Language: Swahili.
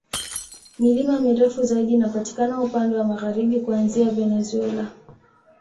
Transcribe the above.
Milima mirefu zaidi inapatikana upande wa magharibi, kuanzia Venezuela.